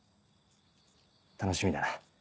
楽しみだな。